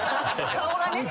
顔がね。